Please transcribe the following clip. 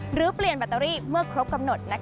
หรือเปลี่ยนแบตเตอรี่เมื่อครบกำหนด